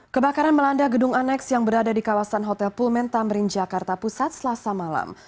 kebakaran melanda gedung aneks yang berada di kawasan hotel pullman tamrin jakarta pusat selasa malam